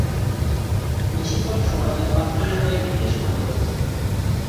বেশিরভাগ সমাধির পাথরের গায়ে ব্রিটিশ নাম রয়েছে।